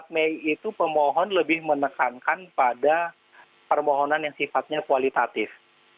empat mei itu pemohon lebih menekankan pada permohonan yang sifatnya kualitatif